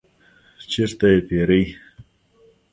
چیرته یی پیرئ؟